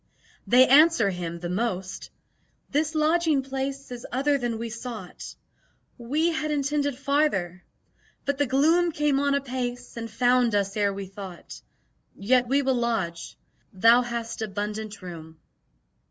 They answer him, the most, "This lodging place is other than we sought; We had intended farther, but the gloom Came on apace, and found us ere we thought: Yet will we lodge. Thou hast abundant room."